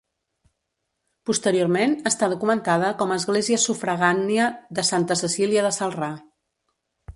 Posteriorment està documentada com a església sufragània de Santa Cecília de Celrà.